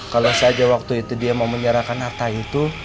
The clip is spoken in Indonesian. kalau saja waktu itu dia mau menyerahkan harta itu